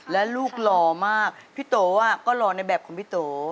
และลูกหล่อมากพี่โตก็หล่อในแบบของพี่โต